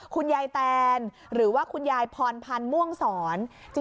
คุณยายแตนหรือว่าคุณยายพรพันธ์ม่วงศร